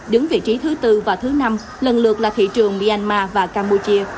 đứng vị trí thứ tư và thứ năm lần lượt là thị trường myanmar và campuchia